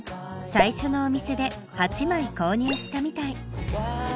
最初のお店で８枚購入したみたい。